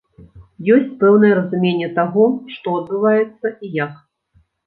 Ёсць пэўнае разуменне таго, што адбываецца і як.